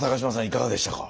いかがでしたか？